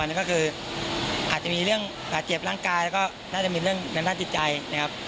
นั่นก็คืออาจจะมีเรื่องบาดเจ็บร่างกายแล้วก็น่าจะมีเรื่องในด้านจิตใจนะครับ